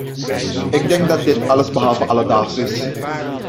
Ik denk dat dit allesbehalve alledaags is.